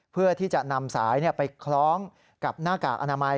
เพื่อที่จะนำสายไปคล้องกับหน้ากากอนามัย